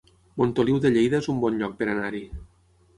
Montoliu de Lleida es un bon lloc per anar-hi